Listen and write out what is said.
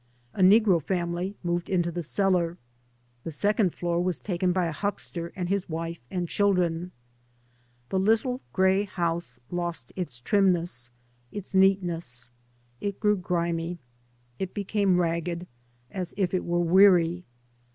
A negro family moved into the cellar. The second floor was taken by a huckster and his wife and children. The little grey house lost its trimness, its neatness. It grew grimy. It became ra^ed as if it were weary.